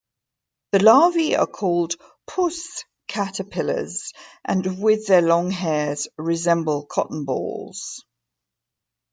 The larvae are called puss caterpillars, and with their long hairs, resemble cotton balls.